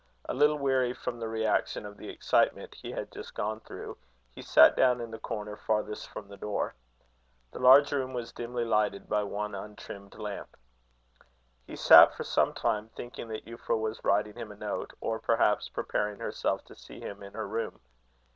A little weary from the reaction of the excitement he had just gone through, he sat down in the corner farthest from the door. The large room was dimly lighted by one untrimmed lamp. He sat for some time, thinking that Euphra was writing him a note, or perhaps preparing herself to see him in her room.